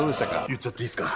言っちゃっていいっすか？